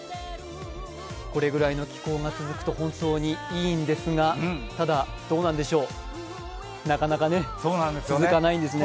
これぐらいの気候が続くと本当にいいんですがただどうなんでしょう、なかなか続かないんですね。